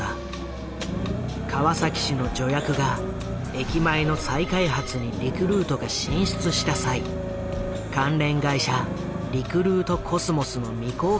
川崎市の助役が駅前の再開発にリクルートが進出した際関連会社リクルートコスモスの未公開株を譲渡された。